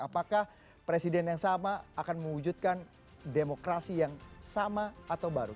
apakah presiden yang sama akan mewujudkan demokrasi yang sama atau baru